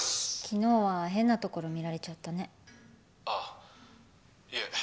昨日は変なところ見られちゃったねああいえ